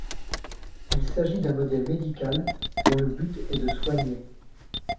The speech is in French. Il s'agit d'un modèle médical dont le but est de soigner.